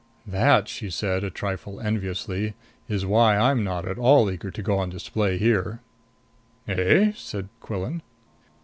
"That," she said, a trifle enviously, "is why I'm not at all eager to go on display here." "Eh?" said Quillan.